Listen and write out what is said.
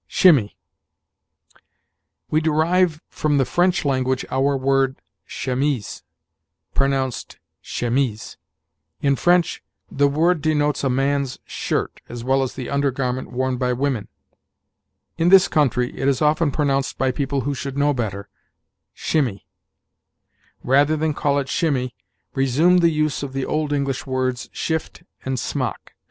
SHIMMY. "We derive from the French language our word chemise pronounced shemmeeze. In French, the word denotes a man's shirt, as well as the under garment worn by women. In this country, it is often pronounced by people who should know better shimmy. Rather than call it shimmy, resume the use of the old English words shift and smock.